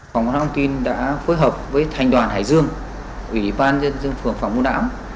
phòng văn hóa thông tin đã phối hợp với thành đoàn hải dương ủy ban dân dân phường phạm ngũ lão